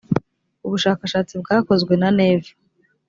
ubushakashatsi bwakozwe na neva .